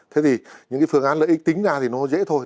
thế thì những cái phương án lợi ích tính ra thì nó dễ thôi